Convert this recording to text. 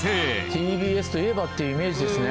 ＴＢＳと言えばっていうイメージですね